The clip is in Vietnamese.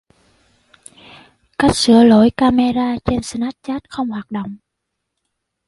Cách sửa lỗi camera trên Snapchat không hoạt động